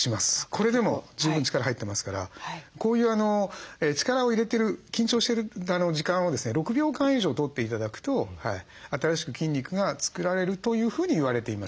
これでも十分力入ってますからこういう力を入れてる緊張してる時間を６秒間以上とって頂くと新しく筋肉が作られるというふうに言われています。